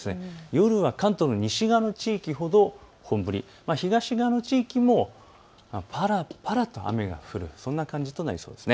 夜は関東の西側の地域ほど本降り、東側の地域もぱらぱらと雨が降るそんな感じとなりそうです。